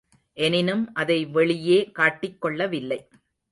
எனினும் அதை வெளியே காட்டிக் கொள்ளவில்லை.